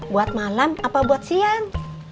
buat malam apa buat siang